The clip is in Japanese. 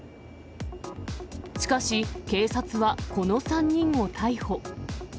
しかし、警察はこの３人を逮捕。